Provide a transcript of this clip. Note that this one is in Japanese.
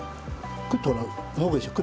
クッとほら動くでしょ